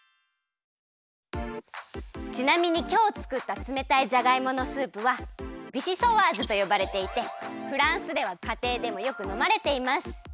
ちなみにきょうつくったつめたいじゃがいものスープはビシソワーズとよばれていてフランスではかていでもよくのまれています。